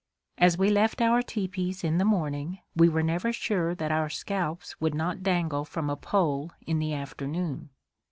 As we left our teepees in the morning, we were never sure that our scalps would not dangle from a pole in the afternoon!